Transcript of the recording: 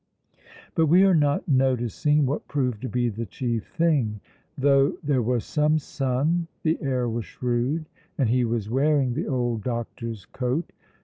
But we are not noticing what proved to be the chief thing. Though there was some sun, the air was shrewd, and he was wearing the old doctor's coat.